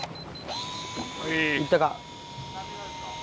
いったか？